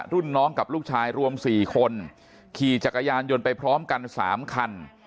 รุ่นน้องกับลูกชายรวม๔คนขี่จักรยานยนต์ไปพร้อมกัน๓คัน